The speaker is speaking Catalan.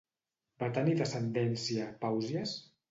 Va tenir descendència, Pàusies?